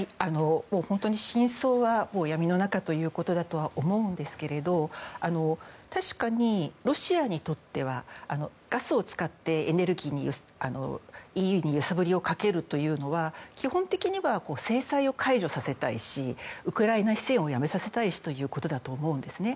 本当に真相は闇の中ということだと思うんですが確かにロシアにとってはガスを使ってＥＵに揺さぶりをかけるというのは基本的には制裁を解除させたいしウクライナ支援をやめさせたいしということだと思うんですね。